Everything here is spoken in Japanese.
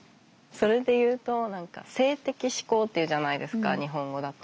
それでいうと何か「性的指向」っていうじゃないですか日本語だと。